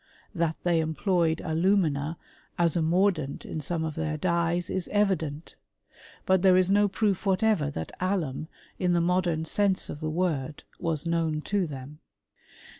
That they em * ployed alumina as a mordant in some of their dyes, is evident ; but there is no proof whatever that alunif in the modern sense of the word, was known to them.